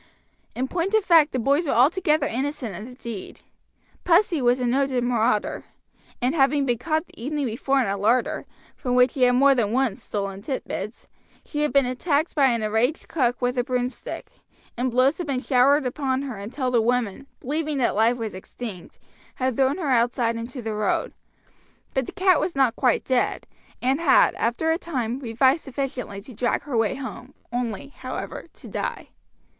In point of fact the boys were altogether innocent of the deed. Pussy was a noted marauder, and having been caught the evening before in a larder, from which she had more than once stolen titbits, she had been attacked by an enraged cook with a broomstick, and blows had been showered upon her until the woman, believing that life was extinct, had thrown her outside into the road; but the cat was not quite dead, and had, after a time, revived sufficiently to drag her way home, only, however, to die.